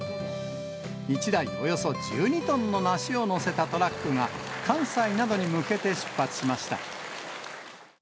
１台およそ１２トンの梨を載せたトラックが関西などに向けて出発しました。